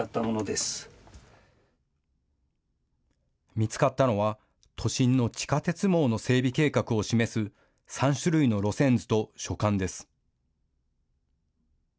見つかったのは都心の地下鉄網の整備計画を示す３種類の路線図と書簡です。